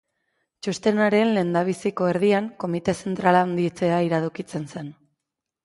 Txostenaren lehendabiziko erdian, Komite Zentrala handitzea iradokitzen zen.